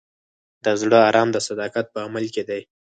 د زړه ارام د صداقت په عمل کې دی.